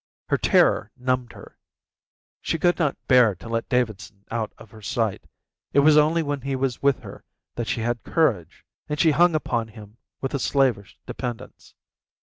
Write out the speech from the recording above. Her terror numbed her. She could not bear to let Davidson out of her sight; it was only when he was with her that she had courage, and she hung upon him with a slavish dependence.